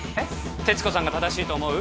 鉄子さんが正しいと思う？